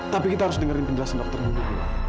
tapi kita harus dengerin penjelasan dokter dulu